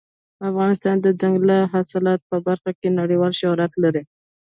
افغانستان د دځنګل حاصلات په برخه کې نړیوال شهرت لري.